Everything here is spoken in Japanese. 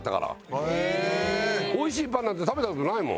美味しいパンなんて食べた事ないもん。